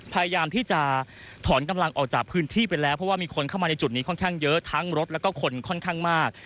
พยายามที่จะถอนกำลังออกจากพื้นที่ไปแล้วเพราะว่ามีคนเข้ามาในจุดนี้ค่อนข้างเยอะทั้งรถแล้วก็คนค่อนข้างมาก